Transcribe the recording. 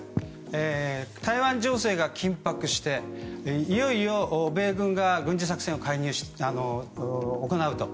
台湾情勢が緊迫していよいよ米軍が軍事作戦を行うと。